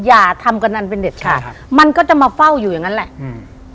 อย่าทำกำนันเป็นเด็ดขาดครับมันก็จะมาเฝ้าอยู่อย่างงั้นแหละอืม